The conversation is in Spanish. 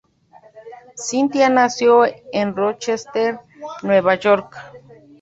Cynthia nació en Rochester, Nueva York.